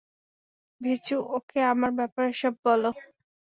ভিছু, okay আমার ব্যাপারে সব বল।